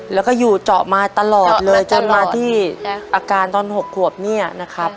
แล้วก็อยู่เจาะมาตลอดเลยจนมาที่อาการตอน๖ขวบเนี่ยนะครับ